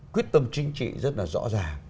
quyết tâm chính trị rất là rõ ràng